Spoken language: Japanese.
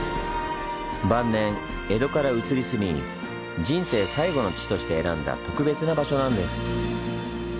晩年江戸から移り住み人生最期の地として選んだ特別な場所なんです。